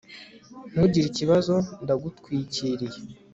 ntugire ikibazo. ndagutwikiriye